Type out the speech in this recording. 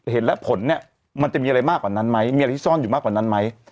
เห็นแล้วผลเนี่ยมันจะมีอะไรมากกว่านั้นไหมมีอะไรที่ซ่อนอยู่มากกว่านั้นไหม